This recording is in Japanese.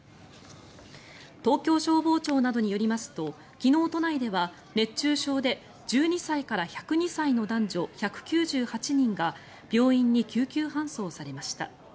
東京消防庁などによりますと昨日、都内では熱中症で１２歳から１０２歳の男女１９８人が病院に救急搬送されました。